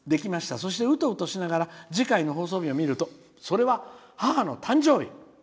そして、うとうとしながら次回の放送日を見るとそれは母の誕生日。